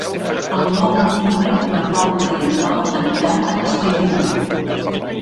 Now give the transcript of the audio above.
El nou d'octubre na Paula i en Tom aniran a Castell de Mur.